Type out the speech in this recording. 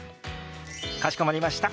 かしこまりました。